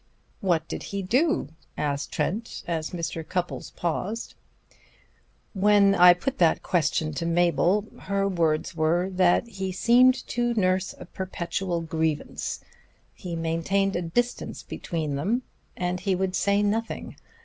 "What did he do?" asked Trent, as Mr. Cupples paused. "When I put that question to Mabel, her words were that he seemed to nurse a perpetual grievance. He maintained a distance between them, and he would say nothing.